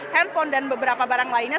handphone dan beberapa barang lainnya